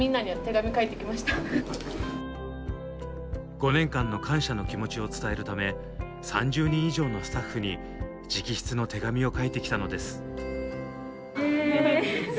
５年間の感謝の気持ちを伝えるため３０人以上のスタッフに直筆の手紙を書いてきたのです。